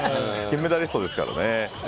金メダリストですからね。